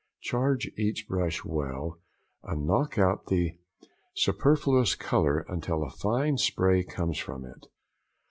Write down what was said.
Charge each brush well, and knock out the superfluous colour until a fine spray comes from it.